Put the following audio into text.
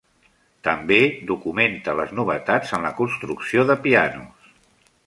També documenta les novetats en la construcció de pianos.